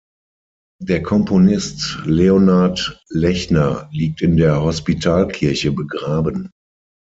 Der Komponist Leonard Lechner liegt in der Hospitalkirche begraben.